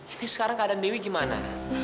ini sekarang keadaan dewi gimana